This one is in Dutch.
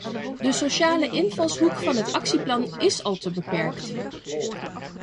De sociale invalshoek van het actieplan is al te beperkt.